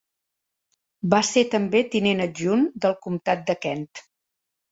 Va ser també tinent adjunt del comtat de Kent.